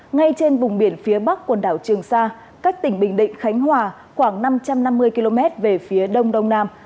ngay trên vùng biển phía bắc quần đảo trường sa cách tỉnh bình định khánh hòa khoảng năm trăm năm mươi km về phía đông đông nam